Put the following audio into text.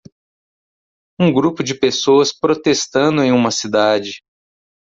Um grupo de pessoas protestando em uma cidade.